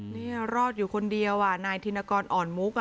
นี่รอดอยู่คนเดียวนายธินกรอ่อนมุก